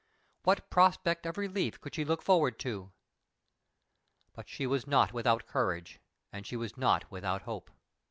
What prospect of release could she look forward to? But she was not without courage, and she was not without hope.